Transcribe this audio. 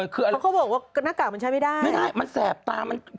เขาบอกว่ากล้างหน้ากากมันใช้ไม่ได้ไม่ได้มันแสบตา